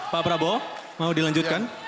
pak prabowo mau dilanjutkan